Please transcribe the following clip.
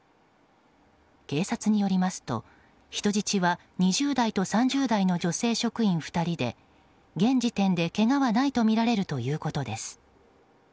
警察によりますと人質は２０代と３０代の女性職員２人で現時点で、けがはないとみられるということです。